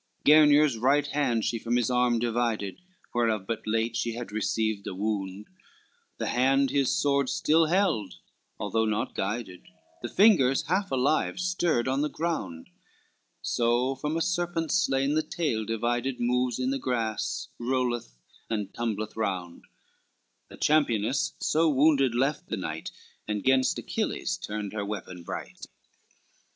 LXIX Gernier's right hand she from his arm divided, Whereof but late she had received a wound; The hand his sword still held, although not guided, The fingers half alive stirred on the ground; So from a serpent slain the tail divided Moves in the grass, rolleth and tumbleth round, The championess so wounded left the knight, And gainst Achilles turned her weapon bright.